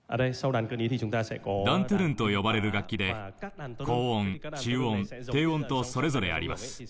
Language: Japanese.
ダン・トゥルンと呼ばれる楽器で高音中音低音とそれぞれあります。